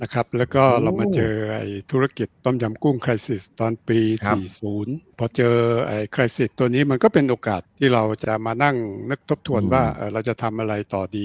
เกฟท์ตอนนี้มันก็เป็นโอกาสที่เราจะมานั่งนึกทบทวนว่าเราจะทำอะไรต่อดี